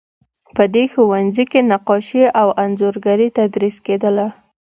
په دې ښوونځي کې نقاشي او انځورګري تدریس کیدله.